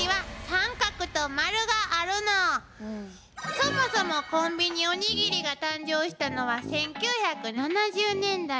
そもそもコンビニおにぎりが誕生したのは１９７０年代。